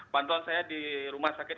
pantauan saya di rumah sakit